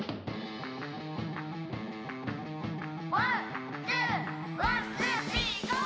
「ワンツーワンツースリーＧＯ！」